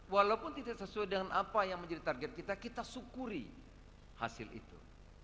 walaupun tidak sesuai dengan apa yang menjadi target kita kita syukuri hasil itu